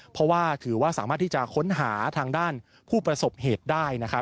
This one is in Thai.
เพราะว่าถือว่าสามารถที่จะค้นหาทางด้านผู้ประสบเหตุได้นะครับ